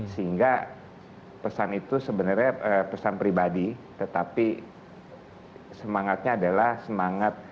sehingga pesan itu sebenarnya pesan pribadi tetapi semangatnya adalah semangat